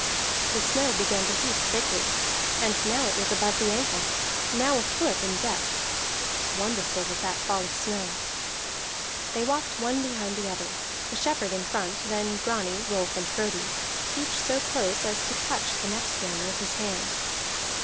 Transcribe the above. The snow began to heap thickly, and now it was above the ankle, now a foot in depth; wonderful was that fall of snow. They walked one behind the other, the shepherd in front, then Grani, Rolf, and Frodi, each so close as to touch the next one with his hand.